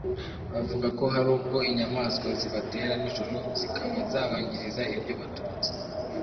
Bavuga ko hari ubwo inyamaswa zibatera nijoro zikaba zabangiriza ibyo batunze